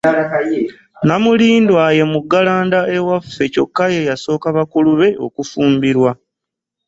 Namulindwa ye muggalanda ewaffe kyokka ye yasooka bakulu be okufumbirwa.